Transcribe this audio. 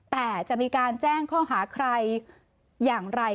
แต่จะมีการแจ้งข้อหาใครอย่างไร